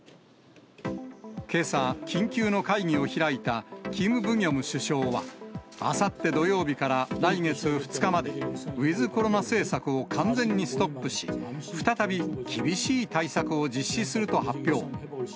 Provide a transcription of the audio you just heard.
けさ、緊急の会議を開いたキム・ブギョム首相は、あさって土曜日から来月２日まで、ウィズコロナ政策を完全にストップし、再び厳しい対策を実施すると発表。